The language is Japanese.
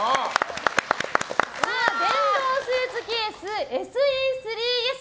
電動スーツケースＳＥ３Ｓ